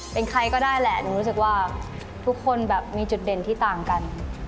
เป็นใครก็ได้แหละหนูรู้สึกว่าทุกคนแบบมีจุดเด่นที่ต่างกัน